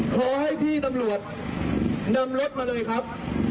ขอให้พี่ตำรวจนำรถมาเลยครับ